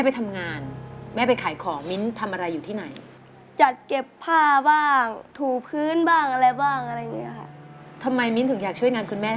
ทำไมมิ้นถึงอยากช่วยงานคุณแม่